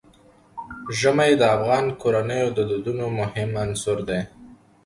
ژمی د افغان کورنیو د دودونو مهم عنصر دی.